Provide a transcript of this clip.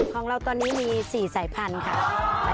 ของเราตอนนี้มี๔สายพันธุ์ค่ะ